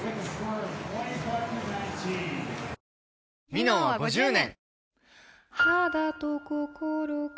「ミノン」は５０年！